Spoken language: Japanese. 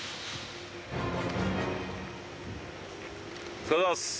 お疲れさまです。